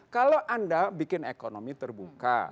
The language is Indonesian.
kalau anda bikin ekonomi terbuka